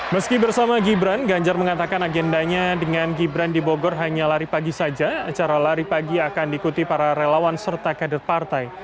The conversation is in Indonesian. meski bersama gibran ganjar mengatakan agendanya dengan gibran di bogor hanya lari pagi saja acara lari pagi akan diikuti para relawan serta kader partai